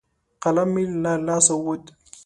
قلم مې له لاسه ووت.